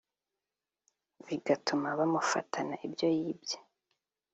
bigatuma bamufatana ibyo yibye